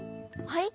はい？